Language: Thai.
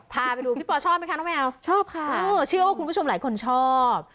พาไปดูพี่ปอชอบไหมคะน้องแมวชอบค่ะเชื่อว่าคุณผู้ชมหลายคนชอบ